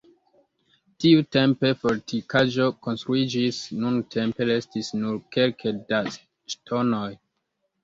Tiutempe fortikaĵo konstruiĝis, nuntempe restis nur kelke da ŝtonoj.